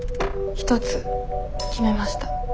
一つ決めました。